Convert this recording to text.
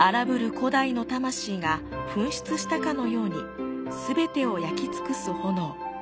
古代の魂が噴出したかのように全てを焼き尽くす炎。